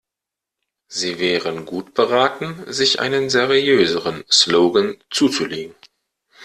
Sie wären gut beraten, sich einen seriöseren Slogan zuzulegen.